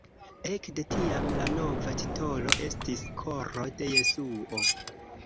Ekde tiam la nova titolo estis Koro de Jesuo.